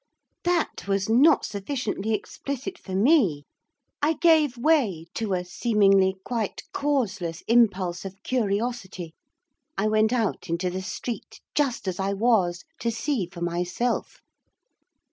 That was not sufficiently explicit for me. I gave way to a, seemingly, quite causeless impulse of curiosity, I went out into the street, just as I was, to see for myself.